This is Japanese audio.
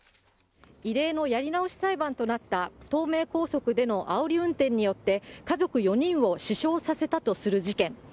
異例のやり直し裁判となった東名高速でのあおり運転によって、家族４人を死傷させたとする事件。